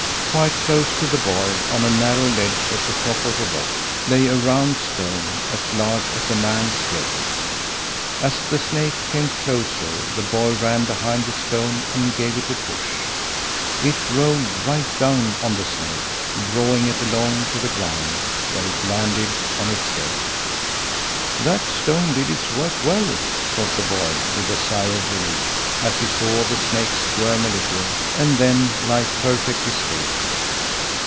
Quite close to the boy, on a narrow ledge at the top of the rock, lay a round stone as large as a man's head. As the snake came closer, the boy ran behind the stone, and gave it a push. It rolled right down on the snake, drawing it along to the ground, where it landed on its head. "That stone did its work well!" thought the boy with a sigh of relief, as he saw the snake squirm a little, and then lie perfectly still.